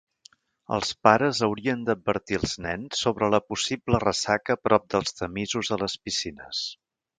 Els pares haurien d'advertir els nens sobre la possible ressaca a prop dels tamisos a les piscines.